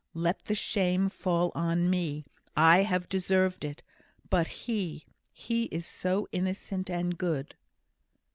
Let the shame fall on me! I have deserved it, but he he is so innocent and good."